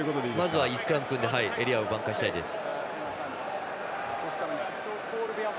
まずはいいスクラム組んでエリアを挽回したいです。